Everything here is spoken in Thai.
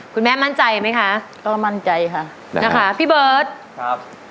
คุณแม่มั่นใจไหมคะก็มั่นใจค่ะนะคะพี่เบิร์ตครับ